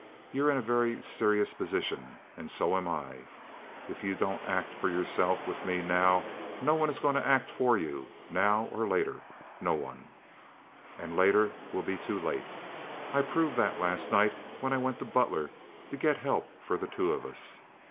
You're in a very serious position and so am I. If you don't act for yourself with me now no one is going to act for you—now or later—no one. And later will be too late. I proved that last night when I went to Butler to get help for the two of us.